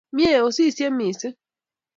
Myee osisye niising'.